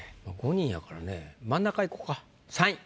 ５人やからね真ん中いこうか３位。